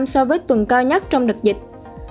so với tuần cao nhất trong đợt dịch